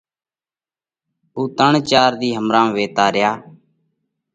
اُو ترڻ چار ۮِي همرام ويتا ريا۔